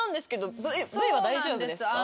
Ｖは大丈夫ですか？